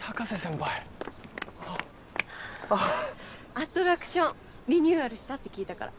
アトラクションリニューアルしたって聞いたから。